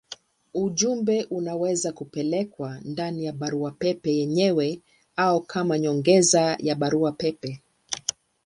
Ujumbe unaweza kupelekwa ndani ya barua pepe yenyewe au kama nyongeza ya barua pepe.